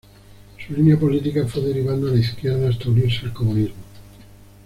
Su línea política fue derivando a la izquierda hasta unirse al comunismo.